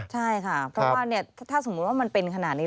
ใช่ค่ะเพราะว่าถ้าสมมุติว่ามันเป็นขนาดนี้